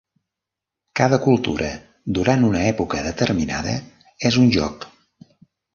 Cada cultura durant una època determinada és un joc.